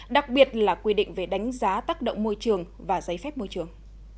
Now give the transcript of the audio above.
đặc biệt là quy định về đánh giá tác động môi trường và giấy phép môi trường